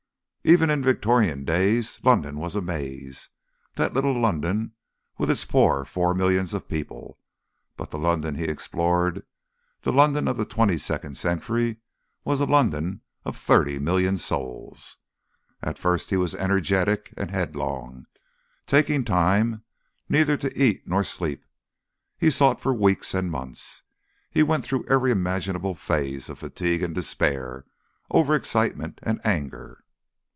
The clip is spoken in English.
Even in Victorian days London was a maze, that little London with its poor four millions of people; but the London he explored, the London of the twenty second century, was a London of thirty million souls. At first he was energetic and headlong, taking time neither to eat nor sleep. He sought for weeks and months, he went through every imaginable phase of fatigue and despair, over excitement and anger.